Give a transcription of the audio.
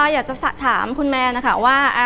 อยากจะถามคุณแมนนะคะว่า